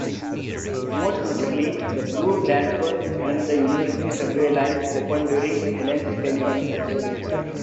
Most notably, the Bloor-Danforth and University subway lines opened during Allen's tenure.